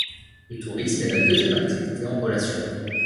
Le tourisme est la deuxième activité en relation.